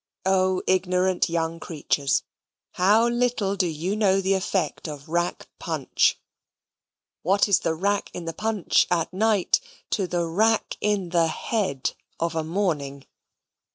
Oh, ignorant young creatures! How little do you know the effect of rack punch! What is the rack in the punch, at night, to the rack in the head of a morning?